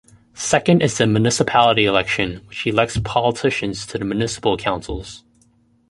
Second is the municipality election, which elects politicians to the municipal councils.